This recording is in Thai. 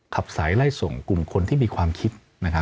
ขับสายไล่ส่งกลุ่มคนที่มีความคิด